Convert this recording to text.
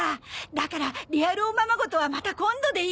だからリアルおままごとはまた今度でいいかな？